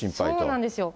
そうなんですよ。